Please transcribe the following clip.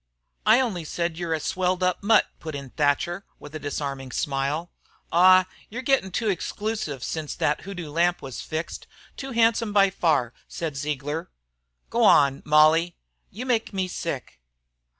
"I only said you 're a swelled up mutt," put in Thatcher, with a disarming smile. "Aw, you're gittin' too exclusive since thet hoodoo lamp was fixed; too handsome, by far," said Ziegler. "Go wan, Molly!" "You make me sick!"